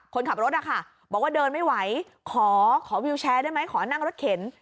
คนขับรถนะคะบอกว่าเดินไม่ไหวขอวิวแชร์ได้ไหมขอนั่งรถเข็น